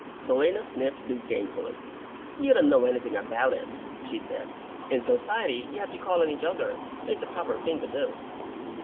Selina sniffed disdainfully. "You don't know anything about it," she said. "In society you have to call on each other. It's the proper thing to do."